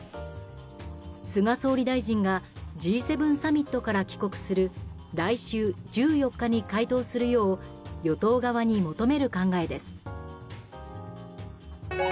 菅総理大臣がＧ７サミットから帰国する来週１４日に回答するよう与党側に求める考えです。